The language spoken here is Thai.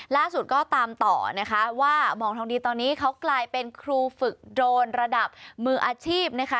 ล่าสุดก็ตามต่อนะคะว่าหมองทองดีตอนนี้เขากลายเป็นครูฝึกโดรนระดับมืออาชีพนะคะ